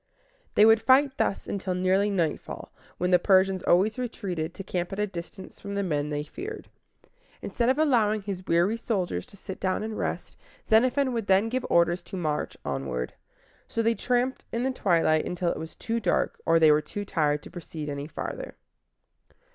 They would fight thus until nearly nightfall, when the Persians always retreated, to camp at a distance from the men they feared. Instead of allowing his weary soldiers to sit down and rest, Xenophon would then give orders to march onward. So they tramped in the twilight until it was too dark or they were too tired to proceed any farther.